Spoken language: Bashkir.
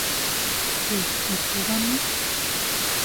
Һеҙ бер туғанмы?